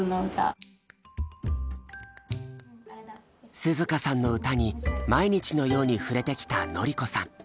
涼花さんの歌に毎日のように触れてきた典子さん。